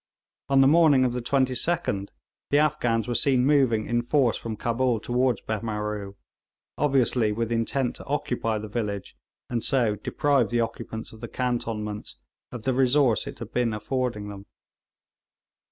On the morning of the 22d the Afghans were seen moving in force from Cabul toward Behmaroo, obviously with intent to occupy the village, and so deprive the occupants of the cantonments of the resource it had been affording them.